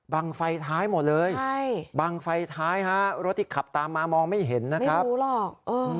ไฟท้ายหมดเลยใช่บังไฟท้ายฮะรถที่ขับตามมามองไม่เห็นนะครับรู้หรอกเออ